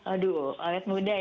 aduh awet muda ya